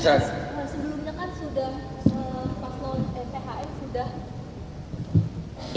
mas sebelumnya kan sudah pak thn sudah